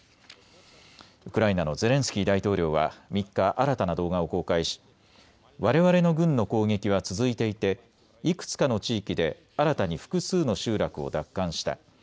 ウクライナのゼレンスキー大統領は３日、新たな動画を公開しわれわれの軍の攻撃は続いていていくつかの地域で新たに複数の集落を奪還した。